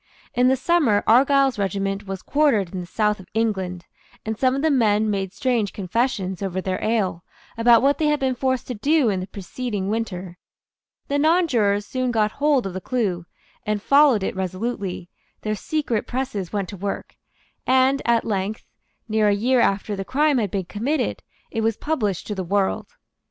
In the summer Argyle's regiment was quartered in the south of England, and some of the men made strange confessions, over their ale, about what they had been forced to do in the preceding winter. The nonjurors soon got hold of the clue, and followed it resolutely; their secret presses went to work; and at length, near a year after the crime had been committed, it was published to the world.